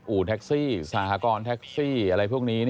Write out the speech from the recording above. แท็กซี่สหกรณ์แท็กซี่อะไรพวกนี้